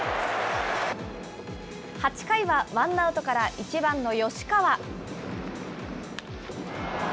８回はワンアウトから、１番の吉川。